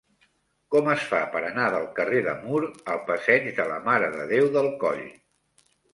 Com es fa per anar del carrer de Mur al passeig de la Mare de Déu del Coll?